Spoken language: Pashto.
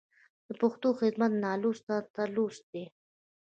د پښتو خدمت نالوستو ته لوست دی.